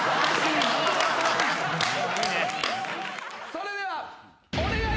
それではお願いします。